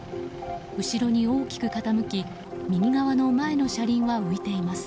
後ろに大きく傾き右側の前の車輪は浮いています。